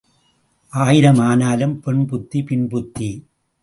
ஆயிரம் ஆனாலும் பெண் புத்தி பின்புத்தி.